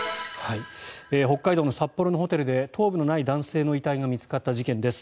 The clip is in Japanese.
北海道の札幌のホテルで頭部のない男性の遺体が見つかった事件です。